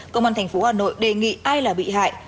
công an thành phố hà nội đề nghị ai là bị hại